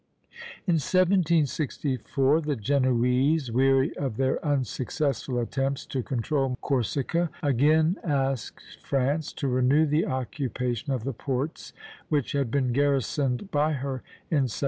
In 1764 the Genoese, weary of their unsuccessful attempts to control Corsica, again asked France to renew the occupation of the ports which had been garrisoned by her in 1756.